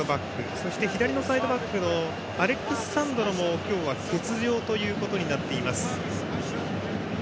そして、左サイドバックのアレックス・サンドロも今日は欠場となっています。